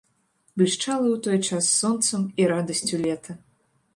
Блішчала ў той час сонцам і радасцю лета.